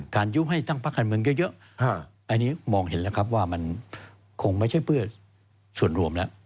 การยุ่งให้ตั้งพรรคขานเมืองเยอะมองเห็นว่ามันคงไม่ใช่เพื่อส่วนรวมแล้ว